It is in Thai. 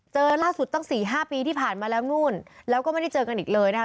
เจอล่าสุดตั้งสี่ห้าปีที่ผ่านมาแล้วนู่นแล้วก็ไม่ได้เจอกันอีกเลยนะคะ